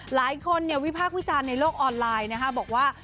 หลายคนวิพากษ์วิจารณ์ในโลกออนไลน์นะคะบอกว่า